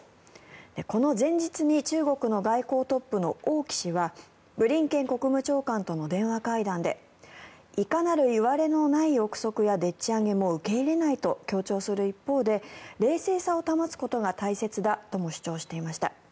この前日に中国の外交トップの王毅氏はブリンケン国務長官との電話会談でいかなるいわれのない臆測やでっち上げも受け入れないと強調する一方で冷静さを保つことが大切だとも主張していました。